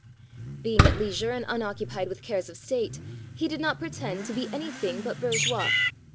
Being at leisure and unoccupied with cares of State, he did not pretend to be anything but bour geois.